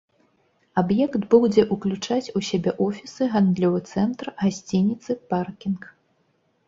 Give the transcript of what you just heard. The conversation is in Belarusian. Аб'ект будзе ўключаць у сябе офісы, гандлёвы цэнтр, гасцініцы, паркінг.